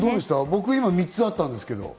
僕は今、３つあったんですが。